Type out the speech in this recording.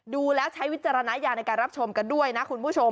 ดูแล้วใช้วิจารณญาณในการรับชมกันด้วยนะคุณผู้ชม